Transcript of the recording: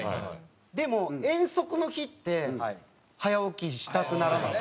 でも遠足の日って早起きしたくならないですか？